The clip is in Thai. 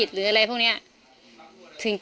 ถ้าใครอยากรู้ว่าลุงพลมีโปรแกรมทำอะไรที่ไหนยังไง